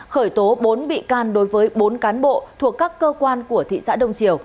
một bốn bị can đối với bốn cán bộ thuộc các cơ quan của thị xã đông triều